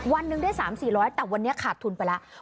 วันนึงได้สามสี่ร้อยแต่วันนี้ขาดทุนไปแล้ว